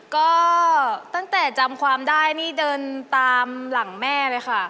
ก็ตั้งแต่จำความได้นี่เดินตามหลังแม่เลยค่ะ